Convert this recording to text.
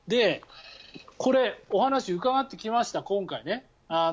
これ、お話を伺ってきました今回ね。